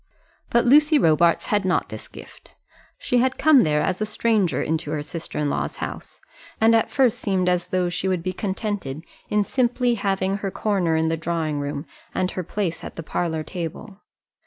But Lucy Robarts had not this gift. She had come there as a stranger into her sister in law's house, and at first seemed as though she would be contented in simply having her corner in the drawing room and her place at the parlour table.